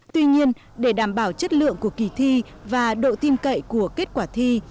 tuy nhiên để đảm bảo chất lượng của kỳ thi và độ tin cậy của kết quả thi